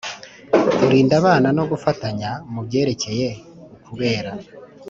Kurinda abana no gufatanya mu byerekeye ukubera